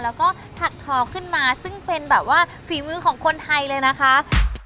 แล้วก็ถักทอขึ้นมาซึ่งเป็นแบบว่าฝีมือของคนไทยเลยนะคะ